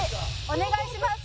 お願いします。